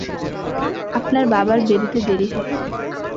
আপনার বাবার বেরুতে দেরি হবে।